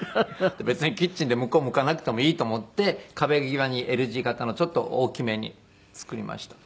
別にキッチンで向こう向かなくてもいいと思って壁際にＬ字形のちょっと大きめに作りました。